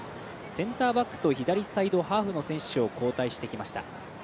センターバックと左サイドハーフの選手を交代してきました。